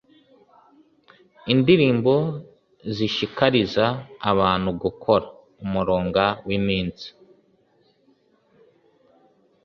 Indirimbo zishikariza abantu gukora: Umurunga w’iminsi